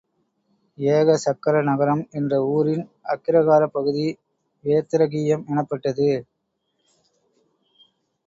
ஏக சக்கர நகரம் என்ற ஊரின் அக்கிரகாரப்பகுதி வேத்திரகீயம் எனப்பட்டது.